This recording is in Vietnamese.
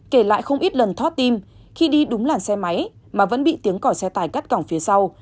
kể lại không ít lần thoát tim khi đi đúng làn xe máy mà vẫn bị tiếng còi xe tải cắt cổng phía sau